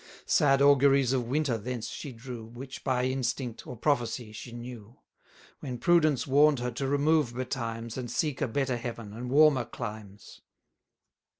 440 Sad auguries of winter thence she drew, Which by instinct, or prophecy, she knew: When prudence warn'd her to remove betimes, And seek a better heaven, and warmer climes.